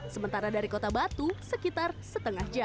sementara dari kota batu sekitar setengah jam